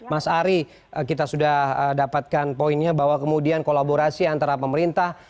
mas ari kita sudah dapatkan poinnya bahwa kemudian kolaborasi antara pemerintah